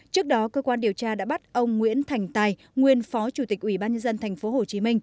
trước đó cơ quan điều tra đã bắt ông nguyễn thành tài nguyên phó chủ tịch ủy ban nhân dân tp hcm